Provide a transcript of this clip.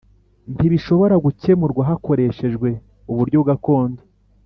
Ntibishobora gukemurwa hakorehejwe uburyo gakondo